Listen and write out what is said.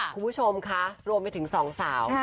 คุณผู้ชมคะรวมไปถึงสองสาว